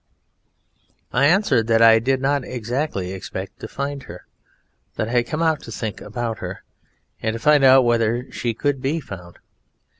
I answered that I did not exactly expect to find Her, that I had come out to think about Her, and to find out whether She could be found.